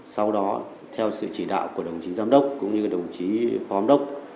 sau đó theo sự chỉ đạo của đồng chí giám đốc cũng như đồng chí phóng đốc